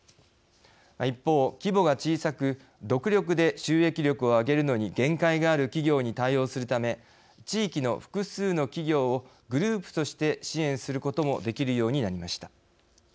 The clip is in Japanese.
一方、規模が小さく独力で収益力を上げるのに限界がある企業に対応するため地域の複数の企業をグループとして支援することもできるようになりました。